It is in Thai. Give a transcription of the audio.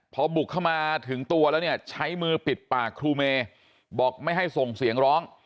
พอบุกเข้ามาถึงตัวแล้วเนี่ยใช้มือปิดปากครูเมย์บอกไม่ให้ส่งเสียงร้อง